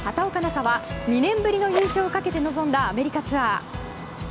紗は２年ぶりの優勝をかけて臨んだアメリカツアー。